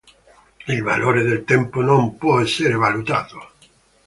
Il valore del tempo non può essere valutato.